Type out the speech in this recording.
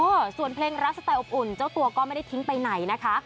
ส่วนเพลงรักสไตล์อบอุ่นเจ้าตัวก็ไม่ได้ทิ้งไปไหนนะคะ